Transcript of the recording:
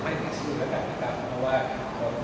ว่าชีวิตร้ายหรือฝ่ายร่างคนอื่น